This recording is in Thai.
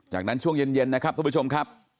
จากนั้นช่วงเย็นนะครับทุกผู้ชมครับ